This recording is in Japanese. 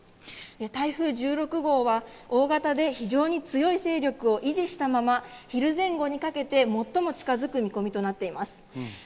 台風１６号は大型で非常に強い勢力を維持したまま、昼前後にかけて最も近づく見込みとなっています。